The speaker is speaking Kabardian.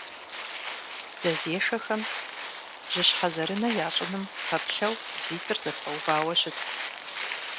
Дзэзешэхэм бжыщхьэзэрынэ ящӀыным пэплъэу дзитӀыр зэпэувауэ щытт.